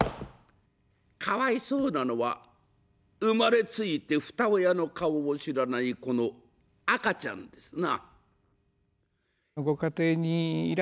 かわいそうなのは、生まれついて二親の顔を知らないこの赤ちゃんですな。